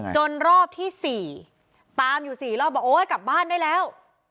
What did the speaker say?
จนรอบที่๔ตามอยู่๔รอบบอกโอ๊ยกลับบ้านได้แล้ว